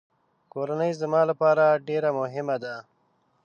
کورنۍ زما لپاره ډېره مهمه ده.